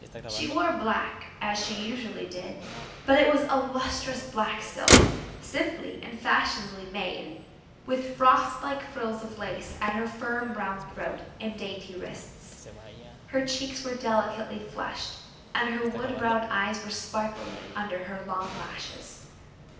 She wore black, as she usually did, but it was a lustrous black silk, simply and fashionably made, with frost like frills of lace at her firm round throat and dainty wrists. Her cheeks were delicately flushed, and her wood brown eyes were sparkling under her long lashes.